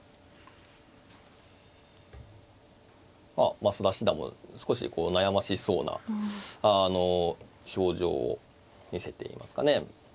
増田七段も少しこう悩ましそうな表情を見せていますかね。